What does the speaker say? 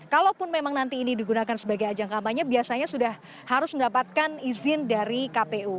kalaupun memang nanti ini digunakan sebagai ajang kampanye biasanya sudah harus mendapatkan izin dari kpu